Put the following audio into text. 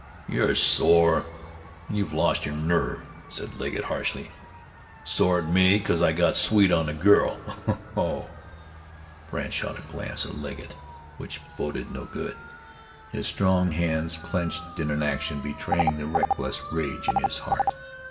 "You're sore, an' you've lost your nerve," said Legget harshly. "Sore at me 'cause I got sweet on the girl. Ho! ho!" Brandt shot a glance at Legget which boded no good. His strong hands clenched in an action betraying the reckless rage in his heart.